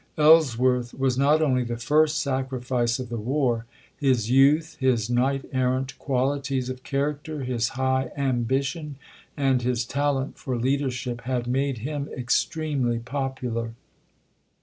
Ellsworth was not only the first sacrifice of the war; his youth, his knight errant qualities of character, his high ambition, and his talent for leadership had made him extremely popular.